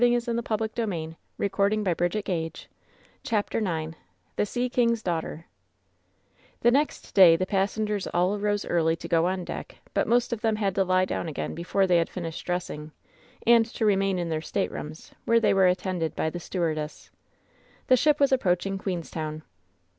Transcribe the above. And so ended their first day out* WHEN SHADOWS DEE 61 CHAPTEK IX '^THE SEA KII^q's DAUGHTEB*' The next day the passengers all arose early to go on aeck; but most of them had to lie down again before they had finished dressing; and to remain in their state rooms, where they were attended by the stewardess. The ship was aprpoaching Queenstown.